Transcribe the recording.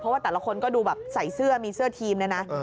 เพราะว่าแต่ละคนก็ดูแบบใส่เสื้อมีเสื้อทีมเนี่ยนะ